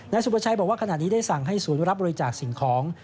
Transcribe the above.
สุประชัยบอกว่าขณะนี้ได้สั่งให้ศูนย์รับบริจาคสิ่งของ